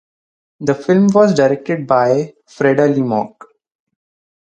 The film was directed by Freida Lee Mock.